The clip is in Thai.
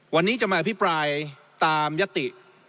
วันนี้จะมาอภิปรายตามยติ